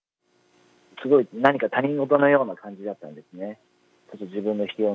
すごい何か、他人事のような感じだったんですね。